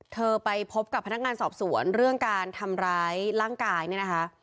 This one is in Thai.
เธอไปพบกับพนักงานสอบสวนเรื่องการทำร้ายร่างกายเนี่ยนะคะ